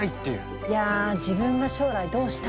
いや自分が将来どうしたいのか。